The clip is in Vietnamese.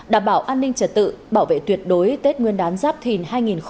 đảm bảo an ninh trật tự bảo vệ tuyệt đối tết nguyên đán giáp thìn hai nghìn hai mươi bốn